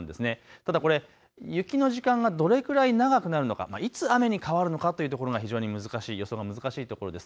ただこれ雪の時間がどれくらい長くなるのか、いつ雨に変わるのかというところが非常に予想が難しい所です。